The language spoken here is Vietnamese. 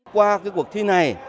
qua cái cuộc thi này